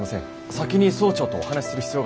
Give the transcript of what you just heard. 先に総長とお話しする必要がありますので。